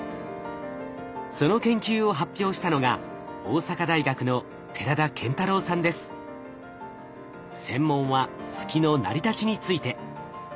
その研究を発表したのが専門は月の成り立ちについて。